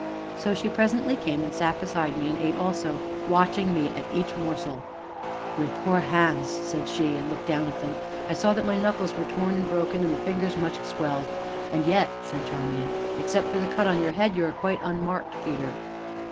So she presently came and sat beside me and ate also, watching me at each morsel. "Your poor hands!" said she, and, looking down at them, I saw that my knuckles were torn and broken, and the fingers much swelled. "And yet," said Charmian, "except for the cut in your head, you are quite unmarked, Peter."